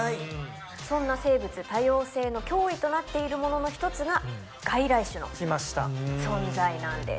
そんな生物多様性の脅威となっているものの一つが外来種の存在なんです。